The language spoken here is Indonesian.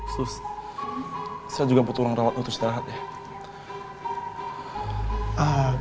sus saya juga butuh orang rawat untuk istirahat ya